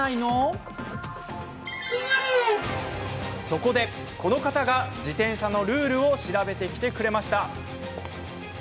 そこで、この方が自転車のルールを調べてきてくれました。